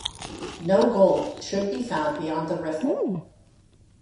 No gold should be found beyond the riffle.